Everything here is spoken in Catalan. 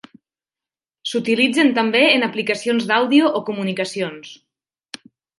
S'utilitzen també en aplicacions d'àudio o comunicacions.